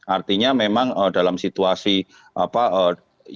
artinya memang dalam situasi yang terpenting bagi kita